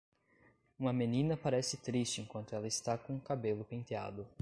Uma menina parece triste enquanto ela está com o cabelo penteado.